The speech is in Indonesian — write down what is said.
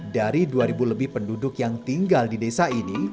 dari dua lebih penduduk yang tinggal di desa ini